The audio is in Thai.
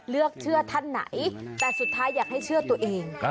เลือกเชื่อท่านไหนแต่สุดท้ายอยากให้เชื่อตัวเอง